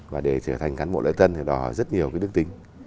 và để trở thành cán bộ lễ tân thì đòi rất nhiều đức tình